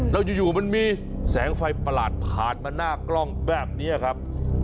แล้วอยู่มันมีแสงไฟประหลาดผ่านมาหน้ากล้องแบบนี้ครับ